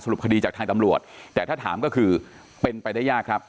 รุปคดีจากทางตำรวจแต่ถ้าถามก็คือเป็นไปได้ยากครับ